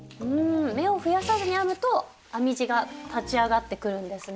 目を増やさずに編むと編み地が立ち上がってくるんですね。